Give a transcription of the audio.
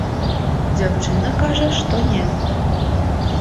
Дзяўчына кажа, што не.